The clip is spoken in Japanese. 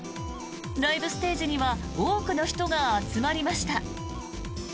ライブステージには多くの人が集まりました。